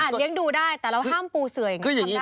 อาจเลี้ยงดูได้แต่เราห้ามปูเสื่ออย่างงี้ทำได้มั้ยคะ